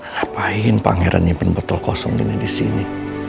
ngapain pangeran nipen betul kosong ini disini